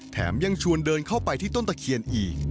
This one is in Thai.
ยังชวนเดินเข้าไปที่ต้นตะเคียนอีก